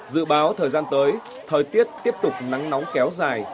dự báo thời gian tới thời tiết tiếp tục nắng nóng kéo dài